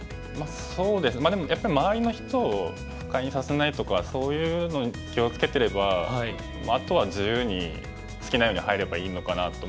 そうですねでもやっぱり周りの人を不快にさせないとかそういうのに気を付けてればあとは自由に好きなように入ればいいのかなと。